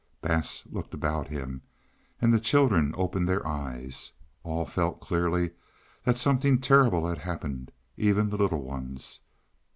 Bass looked about him, and the children opened their eyes. All felt clearly that something terrible had happened, even the little ones.